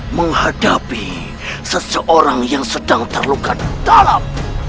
menghadapi seseorang yang sedang terluka di dalam